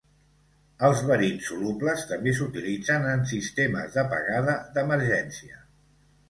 Els verins solubles també s'utilitzen en sistemes d'apagada d'emergència.